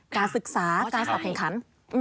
การศึกษาการสอบแข่งขัน